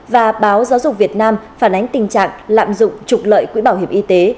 và báo giáo dục việt nam phản ánh tình trạng lạm dụng trục lợi quỹ bảo hiểm y tế